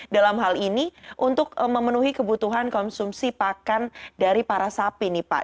dalam hal ini untuk memenuhi kebutuhan konsumsi pakan dari para sapi nih pak